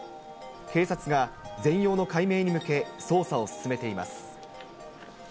警察が全容の解明に向け、捜査を進めています。